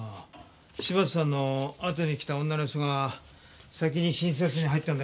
柴田さんのあとに来た女の人が先に診察室に入ったんだろ？